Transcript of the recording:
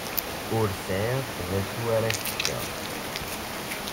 Ur sɛiɣ d acu ara ak-fkeɣ.